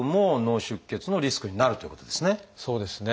そうですね。